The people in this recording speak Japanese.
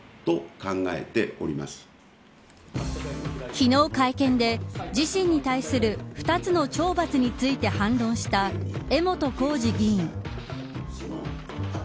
昨日、会見で自身に対する２つの懲罰について反論した江本浩二議員。